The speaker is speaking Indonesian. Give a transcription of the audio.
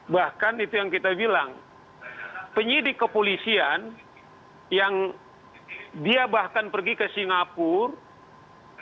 bahkan itu yang kita bilang penyidik kepolisian yang dia bahkan pergi ke singapura